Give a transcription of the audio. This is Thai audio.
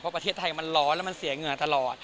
เพราะประเทศไทยมันร้อนแล้วมันเสียเหงื่อตลอด